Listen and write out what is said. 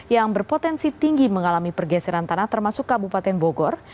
yang berpotensi tinggi mengalami pergeseran tanah termasuk kabupaten bogor